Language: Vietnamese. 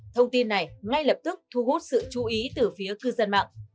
thông tin này ngay lập tức thu hút sự chú ý từ phía cư dân mạng